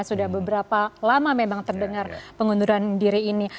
sudah beberapa lama memang terdengar pengunduran diri ini